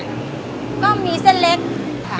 ก็มีเส้นเล็กค่ะ